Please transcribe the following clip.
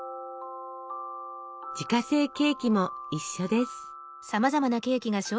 自家製ケーキも一緒です。